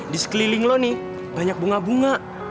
di sekeliling lo nih banyak bunga bunga